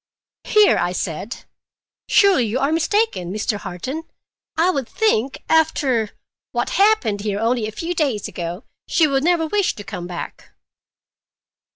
"Here!" I said. "Surely you are mistaken, Mr. Harton. I should think, after—what happened here only a few days ago, she would never wish to come back."